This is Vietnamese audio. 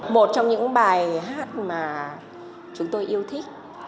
một trong những bài hát mà chúng tôi yêu thích